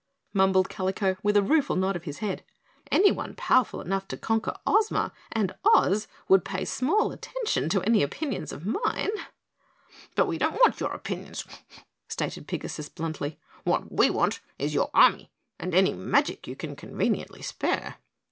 mumbled Kalico with a rueful nod of his head. "Anyone powerful enough to conquer Ozma and Oz would pay small attention to opinions of mine." "But we don't want your opinions," stated Pigasus bluntly. "What we want is your army and any magic you can conveniently spare!"